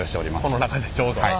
この中でちょうど。